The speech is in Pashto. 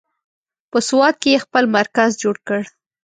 په سوات کې یې خپل مرکز جوړ کړ.